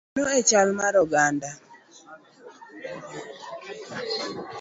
Mano e chal mar oganda.